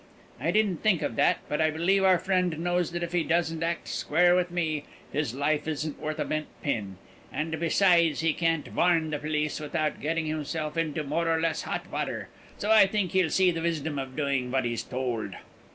"I did think of that; but I believe our friend knows that if he doesn't act square with me, his life isn't worth a bent pin; and besides, he can't warn the police without getting himself into more or less hot water. So I think he'll see the wisdom of doing what he's told."